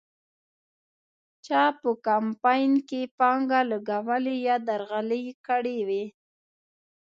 چا په کمپاین کې پانګه لګولې یا درغلۍ کړې وې.